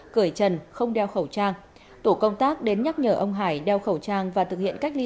cởi trần không đeo khẩu trang tổ công tác đến nhắc nhở ông hải đeo khẩu trang và thực hiện cách ly